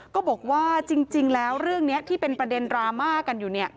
ก็บอกว่าจริงแล้วเรื่องนี้ที่เป็นประเด็นดราม่ากันอยู่